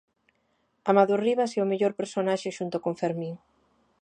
Amador Rivas e o mellor personaxe xunto con Fermín!